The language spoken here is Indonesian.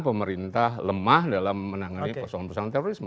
pemerintah lemah dalam menangani persoalan persoalan terorisme